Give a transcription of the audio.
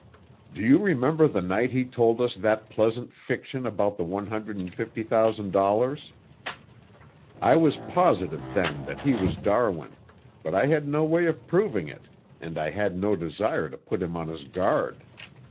"Do you remember the night he told us that pleasant fiction about the one hundred and fifty thousand dollars? I was positive then that he was Darwin, but I had no way of proving it and I had no desire to put him on his guard.